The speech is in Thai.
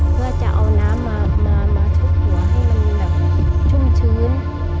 เพื่อจะเอาน้ำมาชุบหัวให้มันแบบชุ่มชื้น